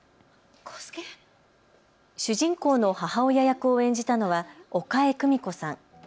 主人公の母親役を演じたのは岡江久美子さん。